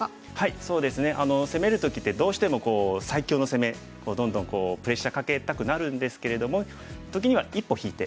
そうですね攻める時ってどうしても最強の攻めどんどんこうプレッシャーかけたくなるんですけれども。